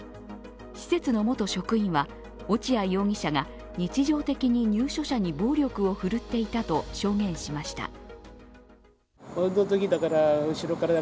施設の元職員は、落合容疑者が日常的に入所者に暴力を振るっていたと証言しました。